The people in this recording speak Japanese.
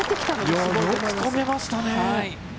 よく止めましたね。